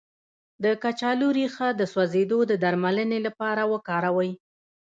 د کچالو ریښه د سوځیدو د درملنې لپاره وکاروئ